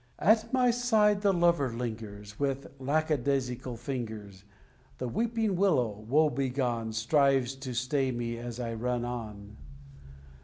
At my side the lover lingers, And with lack a daisical fingers, The Weeping Willow, woe begone, Strives to stay me as I run on."